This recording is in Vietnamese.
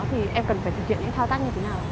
thì em cần phải thực hiện những thao tác như thế nào